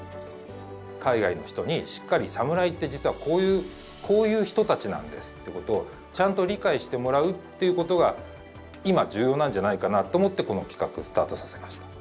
海外の人にしっかり「サムライって実はこういう人たちなんです」ってことをちゃんと理解してもらうっていうことが今重要なんじゃないかなと思ってこの企画スタートさせました。